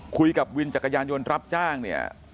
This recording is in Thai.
คุยกับวินจักรยานยนต์รับจ้างเนี่ย